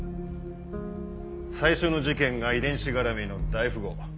最初の事件が遺伝子絡みの大富豪。